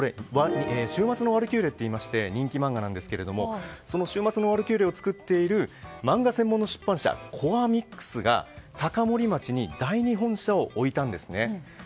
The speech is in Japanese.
「終末のワルキューレ」といいまして人気漫画なんですけどその「終末のワルキューレ」を作っているコアミックスが高森町に第２本社を置いたんですね。